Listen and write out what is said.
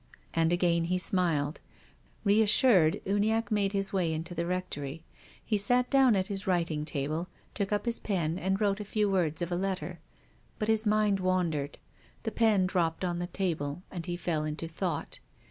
And again he smiled. Reassured, Uniacke made his way into the Rectory. He sat down at his writing table, took up his pen and wrote a few words of a letter. But his mind wandered. The pen dropped on the table and he fell into thought.